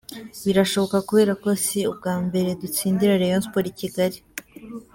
Birashoboka kubera ko si ubwa mbere dutsindira Rayon Sports i Kigali.